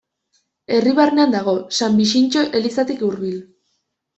Herri barnan dago, San Bixintxo elizatik hurbil.